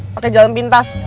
pakai jalan pintas